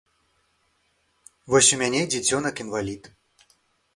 Вось у мяне дзіцёнак-інвалід.